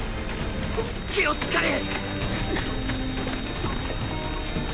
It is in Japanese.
気をしっかり！